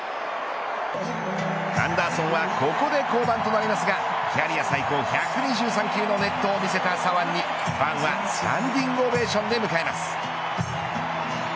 アンダーソンはここで降板となりますがキャリア最高１２３球の熱投を見せた左腕にファンはスタンディングオベーションで迎えます。